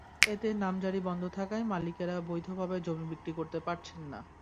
এতে নামজারি বন্ধ থাকায় মালিকেরা বৈধভাবে জমি বিক্রি করতে পারছেন না।